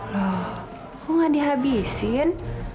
loh kok nggak dihabisin